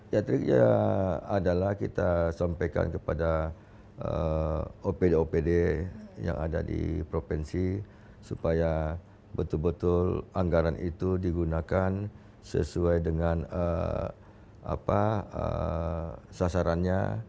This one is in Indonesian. ya adalah kita sampaikan kepada opd opd yang ada di provinsi supaya betul betul anggaran itu digunakan sesuai dengan sasarannya